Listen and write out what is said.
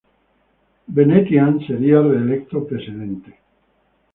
Venetiaan sería reelecto presidente.